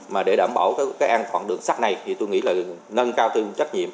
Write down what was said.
mà để đảm bảo cái an toàn đường sắt này thì tôi nghĩ là nâng cao trách nhiệm